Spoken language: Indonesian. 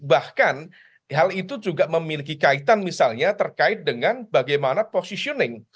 bahkan hal itu juga memiliki kaitan misalnya terkait dengan bagaimana positioning